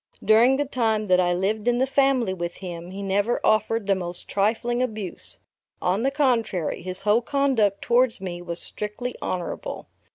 During the time that I lived in the family with him, he never offered the most trifling abuse; on the contrary, his whole conduct towards me was strictly honorable.